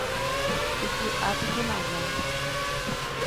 Iky'ápiko la guampa.